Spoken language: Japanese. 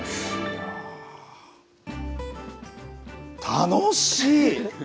楽しい。